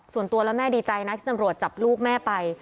ส่วนตัวแล้วแม่ดีใจนะที่ตำรวจจับลูกแม่ไป